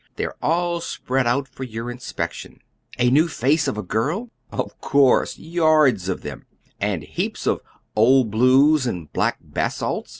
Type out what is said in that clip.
"They're all spread out for your inspection." "A new 'Face of a Girl'?" "Of course yards of them!" "And heaps of 'Old Blues' and 'black basalts'?"